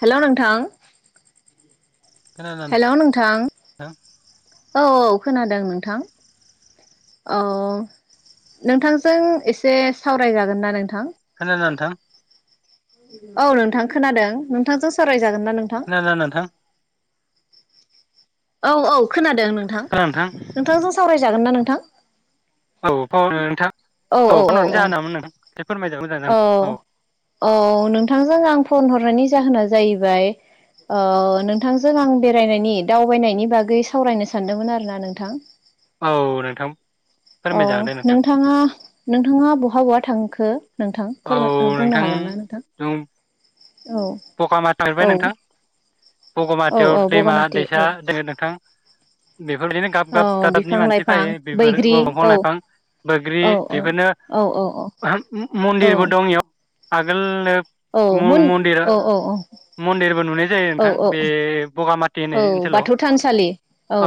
Hello नोंथां खोनादोंना hello नोंथां नोंथां औ औ खोनादों नोंथां औ नोंथांजों एसे सावरायजागोन ना नोंथां खोनदो नोंथां औ नोंथां खोनादों नोंथांजों साराय जागोन ना नोंथां नोंथां औ औ खोनादों नोंथां खोनादोंना खोनादों नोंथां नोंथांजों सावरायजागोन ना नोंथां औ फावार हो नोंथां औ फन हरनायनि जाहोना मामोन नोंथा फोरमाय जागोन जाया थां औ औ नोंथांजों आं फन हरनायनि जाहोना जाहैबाय ओ नोंथांजों आं बेरायनायनि दावबायनायनि बागै सावरायनो सानदोंमोन आरोना नोंथां औ नोंथां औ फोरमायजागोन दे नोंथां नोंथाङा नोंथाङा बहा बहा थांखो नोंथां फोरमाय ओ औ बुंनो हागोन ना नोंथां औ पखामाथा बा औ नोंथां औ बगमाथायाव औ दैमा बगामाथि दैसा औ दोङो नोंथां बेफोरबायदिनो गाब औ गाब दादाबनि बिफां मानसि लाइफां फैयो बेफोर बैग्रि दंफां औ लाइफां बोग्रि औ बेफोरनो औ औ मन्दिरबो दं इयाव आगोलनो औ मन मन्दिर अ मन्दिरबो नुनाय जायो नोंथां बे बगामाथि औ होननाय ओनसोलाव बाथौ थानसालि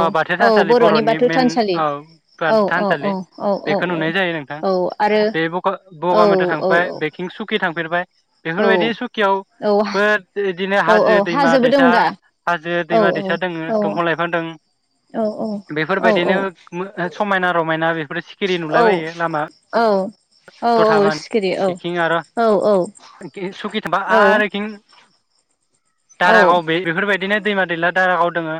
अह बाथौ औ थानसालि बरनि बाथौ मइेन थानसालि ओ औ बान औ औ थानसालि औ औ बेखौ औ नुनाय जायो नोंथां औ आरो बे बख औ बगामाथायाव औ थांबाय बेकिं सुकि थांफेरबाय औ बेफोर बादि सुखियाव औ फोरदिदिनो औ हाजो औ दैमा हाजोबो दं दैसा दा हाजो औ दैमा औ दैसा दोङो औ दंफां लाइफां दों औ औ बेफोरबायदिनो मो ओ समायना रमायना बे फोरा सिखिरि औ नुलाबायो लामा औ औ औ दथाबान सिखिरि औ बिखिं आरो औ औ खि सुखि थांबा औ आरो [inaudible] औ दारागाव बे बेफोरबायदिनो दैमा दैला दारागाव दोङो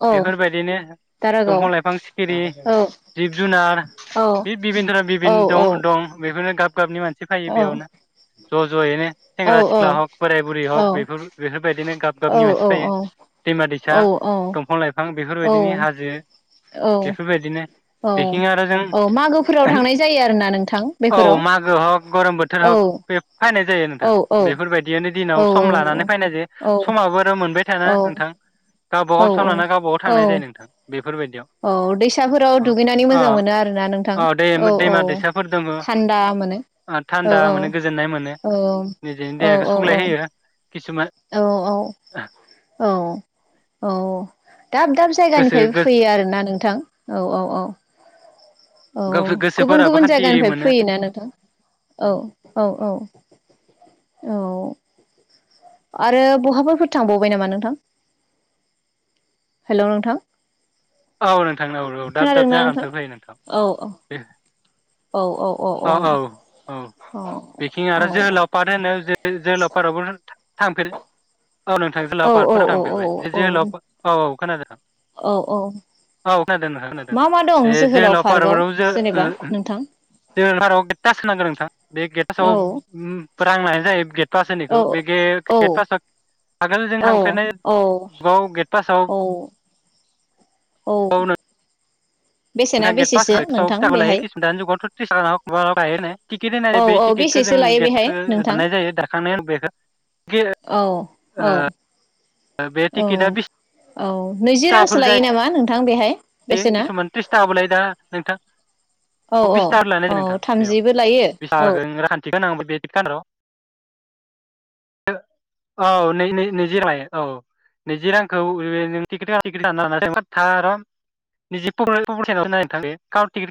औ बेफोरबायदिनो दारागाव दंफां लाइफां सिखिरि औ जिब जुनार औ बे बिभिनथरा औ बिभिन दं दं बेफोरनो गाब [unintelligible] सिफायो औ बेयावनो, ज' ज'यैनो औ सेंग्रा सिख्ला हग बोराइ बुरै हग बेफोर बायदि गाबनि मानसि फैयो दैमा दैसा औ दंफां लाइफां बेफोरबायदिनि औ हाजो बेफोरबायदिनो औ बेखिं आरो जों औ मागोफोराव थांनाय जायो आरोना नोंथां औ मागो हक गरम बोथोर बेफोराव औ हक बे फैनाय जायो औ नोंथां औ बेफोरबायदि, बेनो औ दिनाव सम लानानै फैनाय जे औ समाबो आरो मोनबाय थायाना नोंथां, औ गावबागाव सम लाना गावबाागाव औ थांनाय जायो नोंथां बे औ दैसाफोराव दुगैनानै अ मोजां मोनो आरोना नोंथां दै औ औ दैमा दैसाफोर दङ थान्दा मोनो ओ औ थान्दा मोनो औ औ औ औ सुग्लाय होयो, औ औ औ औ दाब दाब गोसो जायगानिफायबो फैयो आरोना नोंथां औ औ औ औ गुबुन गोसोफोराबो गुबुन खान्थि जायगानिफायबो मोनो फैयोना नोंथां औ औ औ औ आरो बहाबाफोर थांबावबाय नामा नोंथां हेलौ नोंथां, औ नोंथां औ औ दाब दाब जायगानिफाय फैयो नोंथां, औ औ औ बिखिं औ आरो जोहोलाव पार्क होनो [unintelligible] जोहोलाव पार्क आवबो थांफेर औ नोंथां जोहोलाव पार्कफोराव थांफेरबाय बे औ औ जोहोलाव औ औ खोनादों, औ औ औ खोनां नोंथां खोनादों मा मा दं ए जोहोलाव पार्क पार्कआव जो जेनेबा नोंथां ओ [unintelligible] तास्क होनांगौ नोंथां, ने गेद फास औ आव रां लानाय जायो, गेद फास होनो औ औ बिखौ [unintelligible] आगोल जों औ थांफेरनाय औ बुगाव गेदेर फास आव, औ औ बेसेना गेट पास बेसेसो एकस' आसि नोंथां थाखा लायो बेहाय [unintelligible] [unintelligible] थायोनो टिकेट औ होनाय जायो बेै औ टिकेटखौ बेसेसो जों लायो बेहाय गेटसो नोंथां दाननाय जायो दानखांनाय उनाव। बेखो। औ औ। बे औ टिकेटआ बिस औ नैजि थाखाफोर रांसो लायो नामा नोंथां बेहाय? बेसेना किसुमान त्रिस थाखाबोलाय दा नोंथां औ औ बिसथाबो औ लानायायो नोंथां बेयाव थामजिबो लायो बिस औ थाखाखौ राख टिकेट नौ बेकेट र' औ नै -नै- नैजि राङ औ नैजि रांखौ र' [unintelligible] [unintelligible]